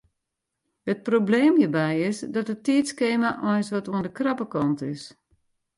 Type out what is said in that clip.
It probleem hjirby is dat it tiidskema eins wat oan de krappe kant is.